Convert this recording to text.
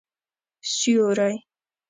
سیوری